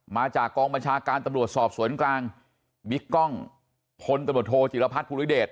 มาจากกองบัญชาการตำรวจสอบสวนกลางบิ๊กกล้องพลตำรวจโทจิรพัฒน์ภูริเดช